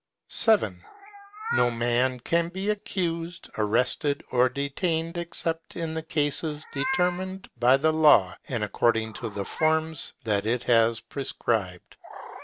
7. No man can be accused, arrested, or detained, except in the cases determined by the law and according to the forms that it has prescribed.